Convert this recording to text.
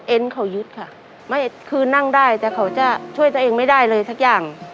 เขายึดค่ะไม่คือนั่งได้แต่เขาจะช่วยตัวเองไม่ได้เลยสักอย่าง